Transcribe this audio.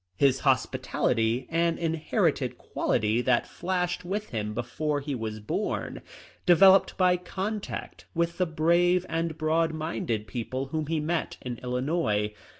His hospitality, an inherited qual ity that flashed with him before he was born, developed by contact with the brave and broad minded people whom he met in Illinois.